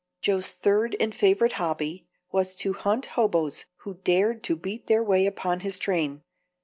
Joe's third and favorite hobby was to hunt hoboes who dared to beat their way upon his train.